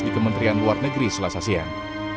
di kementerian luar negeri selasa siang